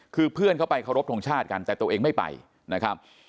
คือเพื่อนเขาไปเคารพทงชาติกันแต่ตัวเองไม่ไปนะครับ